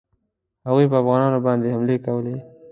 هغوی پر افغانانو باندي حملې کولې.